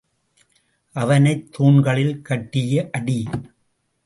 அவனைத் தூண்களில் கட்டியடி!